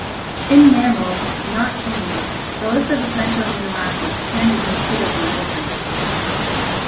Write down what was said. In mammals, not humans, the list of the essential amino acids can be considerably different.